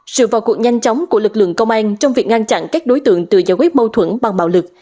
sự vào cuộc nhanh chóng của lực lượng công an trong việc ngăn chặn các đối tượng từ giải quyết mâu thuẫn bằng bạo lực